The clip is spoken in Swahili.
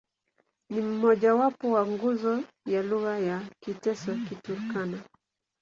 Ni mmojawapo wa nguzo ya lugha za Kiteso-Kiturkana.